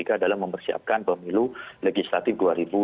adalah mempersiapkan pemilu legislatif dua ribu dua puluh